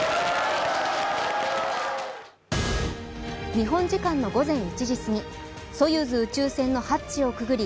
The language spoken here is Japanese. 日本時間の午前１時すぎ、ソユーズ宇宙船のハッチをくぐり